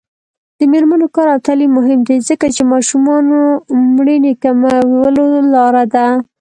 د میرمنو کار او تعلیم مهم دی ځکه چې ماشومانو مړینې کمولو لاره ده.